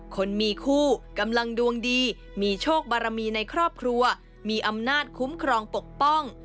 คนมีคู่กำลังดวงดีมีโชคบารมีในครอบครัวมีอำนาจคุ้มครองปกป้อง